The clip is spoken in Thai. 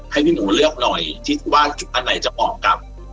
ให้พี่หนูเลือกหน่อยคิดว่าจุดอันไหนจะเหมาะกับ